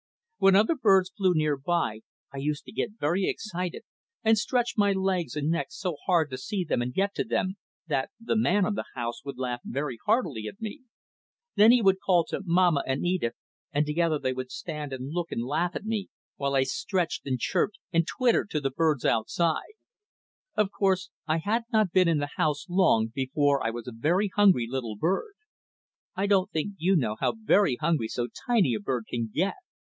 When other birds flew near by I used to get very excited, and stretch my legs and neck so hard to see them and get to them, that the "man of the house" would laugh very heartily at me. And then he would call to "Mamma" and "Edith," and together they would stand and look and laugh at me, while I stretched and chirped and twittered to the birds outside. [Illustration: "I saw happy little birds outside." Page 12.] Of course, I had not been in the house long before I was a very hungry little bird. I don't think you know how very hungry so tiny a bird can get.